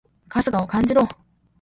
春日を感じろ！